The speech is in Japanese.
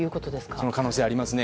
その可能性もありますね。